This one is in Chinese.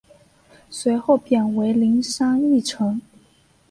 随后贬为麟山驿丞。